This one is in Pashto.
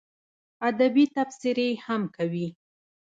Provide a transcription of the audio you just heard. ادبي تبصرې هم کوي.